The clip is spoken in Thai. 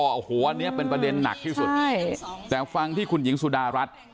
โอ้โหอันนี้เป็นประเด็นหนักที่สุดใช่แต่ฟังที่คุณหญิงสุดารัฐ